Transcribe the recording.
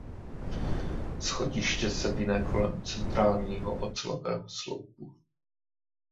Schodiště se vine kolem centrálního ocelového sloupu.